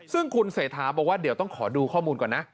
ซึ่งคุณเศรษฐาบอกว่าเดี๋ยวต้องขอดูข้อมูลก่อนนะ